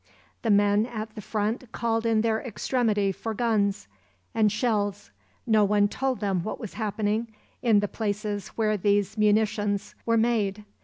The men at the front called in their extremity for guns and shells. No one told them what was happening in the places where these munitions were made.